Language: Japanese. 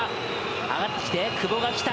上がってきて、久保が来た。